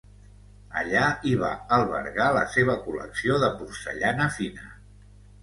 Allà hi va albergar la seva col·lecció de porcellana fina.